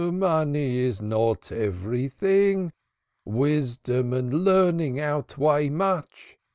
"Money is not everything. Wisdom and learning outweigh much.